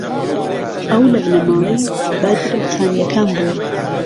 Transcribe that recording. ئەو لە بنەماڵەی بەدرخانییەکان بوو